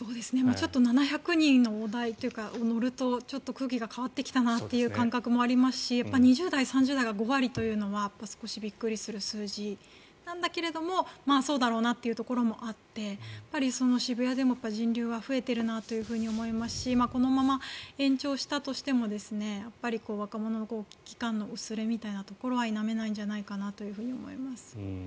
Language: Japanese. ７００人の大台に乗るとちょっと空気が変わってきたなという感覚もありますし２０代３０代が５割というのは少しびっくり数字なんだけれどもそうだろうなというところもあって渋谷でも人流は増えているなと思いますしこのまま延長したとしても若者の危機感の薄れみたいなものは否めないんじゃないかなと思います。